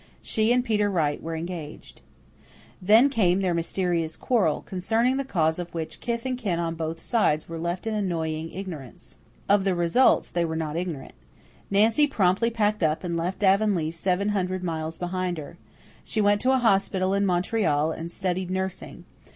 She and Peter Wright were engaged. Then came their mysterious quarrel, concerning the cause of which kith and kin on both sides were left in annoying ignorance. Of the results they were not ignorant. Nancy promptly packed up and left Avonlea seven hundred miles behind her. She went to a hospital in Montreal and studied nursing.